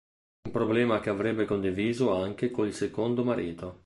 Un problema che avrebbe condiviso anche con il secondo marito.